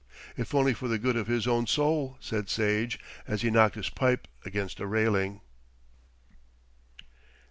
"If only for the good of his own soul," said Sage, as he knocked his pipe against a railing.